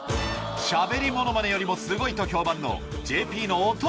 しゃべりものまねよりもすごいと評判のＪＰの音